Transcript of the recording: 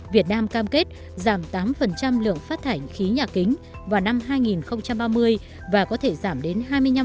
việt nam cam kết giảm tám lượng phát thải khí nhà kính vào năm hai nghìn ba mươi và có thể giảm đến hai mươi năm